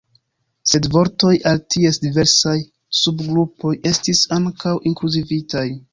Sed vortoj el ties diversaj subgrupoj estis ankaŭ inkluzivitaj.